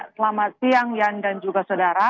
selamat siang yan dan juga saudara